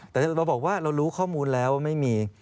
แต่เราบอกว่าเรารู้ข้อมูลแล้วว่าไม่มี